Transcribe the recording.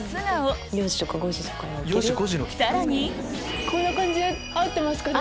さらにこんな感じで合ってますかね？